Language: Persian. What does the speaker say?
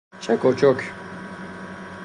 چک و چوک